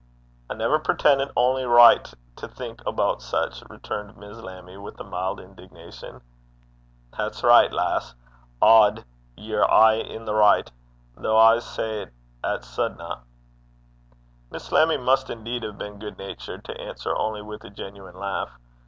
'I never preten't ony richt to think aboot sic,' returned Miss Lammie, with a mild indignation. 'That's richt, lass. Od, ye're aye i' the richt though I say 't 'at sudna.' Miss Lammie must indeed have been good natured, to answer only with a genuine laugh.